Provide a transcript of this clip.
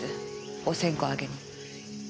お線香をあげに。